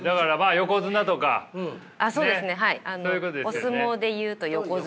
お相撲で言うと横綱。